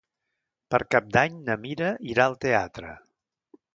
Per Cap d'Any na Mira irà al teatre.